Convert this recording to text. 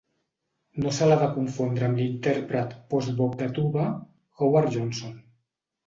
No se l'ha de confondre amb l'intèrpret post-bop de tuba, Howard Johnson.